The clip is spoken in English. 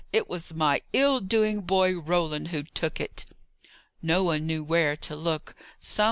It was my ill doing boy, Roland, who took it." No one knew where to look.